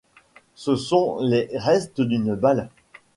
Ce sont les restes d’une balle.